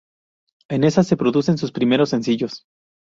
En esa producen sus primeros sencillos.